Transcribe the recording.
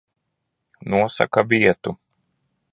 Nosaka vietu.